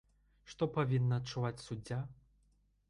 Што павінна адчуваць суддзя?